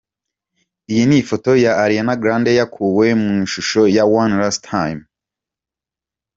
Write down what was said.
Iyi ni ifoto ya Ariana Grande yakuwe mu mashusho ya One Last Time.